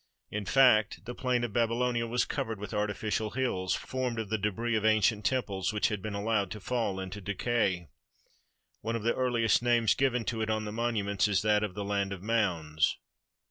In fact, the plain of Babylonia was covered with artificial hills formed of the debris of ancient temples which had been allowed to fall into decay. One of the earliest names given to it on the monuments is that of "the land of mounds."